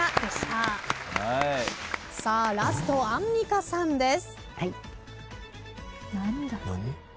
さあラストアンミカさんです。